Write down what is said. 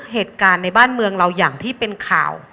เหตุการณ์ในบ้านเมืองเราอย่างที่เป็นข่าว